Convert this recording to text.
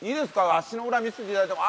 足の裏見せて頂いても。